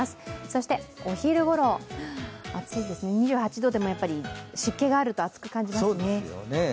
そしてお昼ごろ、暑いですね、２８度でも湿気があると暑く感じますね。